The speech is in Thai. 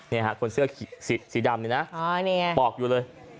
นี่ฮะคนเสื้อสีดำนี่นะบอกอยู่เลย